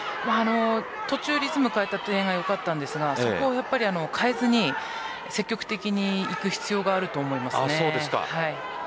途中、リズムを変えたのはよかったですがそこを変えずに積極的にいく必要があると思います。